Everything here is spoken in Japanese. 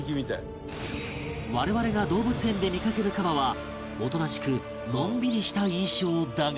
我々が動物園で見かけるカバはおとなしくのんびりした印象だが